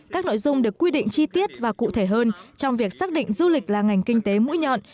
các nội dung được quy định chi tiết và cụ thể hơn trong việc xác định du lịch là ngành kinh tế mũi nhọn